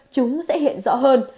chúng sẽ hiện rõ hơn